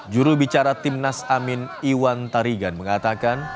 juru bicara timnas amin iwan tarigan mengatakan